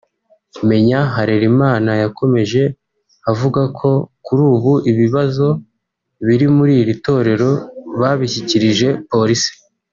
Meya Harerimana yakomeje avuga ko kuri ubu ibibazo biri muri iri Torero babishyikirije Polisi